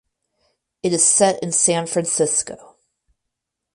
It is set in San Francisco.